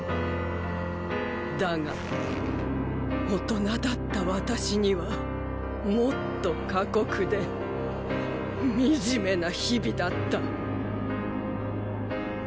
だが大人だった私にはもっと過酷で惨めな日々だった！